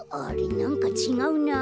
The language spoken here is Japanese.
なんかちがうな。